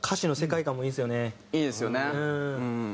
いいですよねうん。